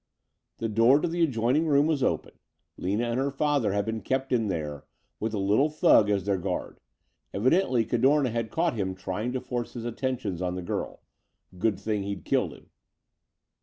The door to the adjoining room was open. Lina and her father had been kept in there, with the little thug as their guard. Evidently Cadorna had caught him trying to force his attentions on the girl. Good thing he'd killed him.